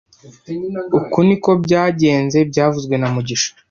Uku niko byagenze byavuzwe na mugisha